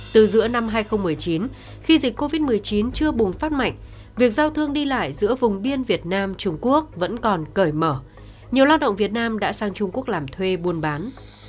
từ giữa năm hai nghìn một mươi chín khi dịch covid một mươi chín chưa bùng phát mạnh việc giao thương đi lại giữa vùng biên việt nam trung quốc vẫn còn cởi mở nhiều lao động việt nam đã sang trung quốc làm thuê buôn bán